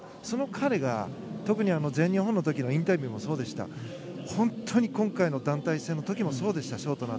その彼が、特に全日本の時のインタビューもそうでしたし本当に今回の団体戦の時もそうでした。